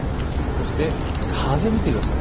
そして風を見てください。